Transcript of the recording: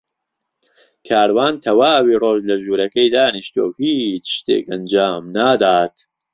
کاروان تەواوی ڕۆژ لە ژوورەکەی دانیشتووە و هیچ شتێک ئەنجام نادات.